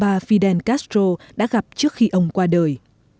cách mạng cuba fidel castro đã gặp trước khi ông qua đời